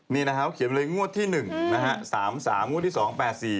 นี่นะครับเขียนไปเลยงวดที่๑นะฮะ๓๓งวดที่๒๘๔งวดที่๓๕๐